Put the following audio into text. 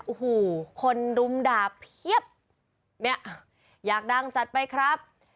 โอ้โหคนรุมด่าเพียบเนี่ยอยากดังจัดไปครับ